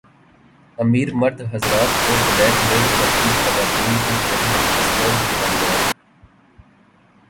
امیر مرد حضرات کو بلیک میل کرتی خواتین کی فلم ہسلرز کامیاب